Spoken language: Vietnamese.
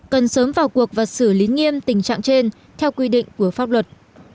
cần sớm vào cuộc và xử lý nghiêm tình trạng trên theo quy định của pháp luật